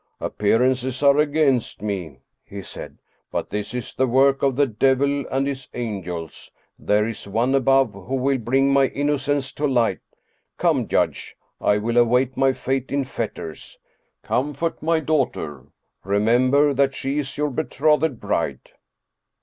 " Appearances are against me," he said, " but this is the work of the devil and his angels. There is One above who will bring my innocence to light. Come, judge, I will await my fate in fetters. Com fort my daughter. Remember that she is your betrothed bride."